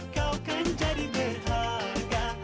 kau kan jadi berharga